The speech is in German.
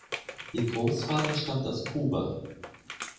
Ihr Großvater stammt aus Kuba.